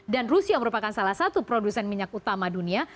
dan rusia merupakan salah satu produsen minyak utama dunia